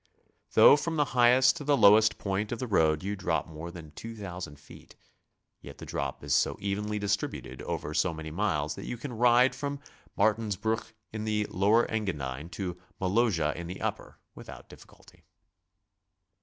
Though from the highest to the lowest point of the road you drop more than two thousand feet, yet the drop is so evenly dis tributed over so many miles that you can ride from Martins bruck in the Lower Engadine to Moloja in the Upper with out difficulty.